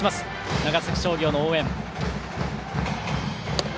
長崎商業の応援。